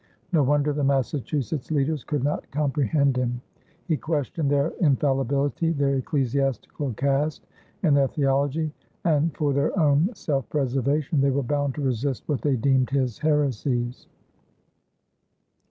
No wonder the Massachusetts leaders could not comprehend him! He questioned their infallibility, their ecclesiastical caste, and their theology, and for their own self preservation they were bound to resist what they deemed his heresies.